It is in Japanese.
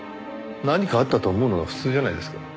何かあったと思うのが普通じゃないですか。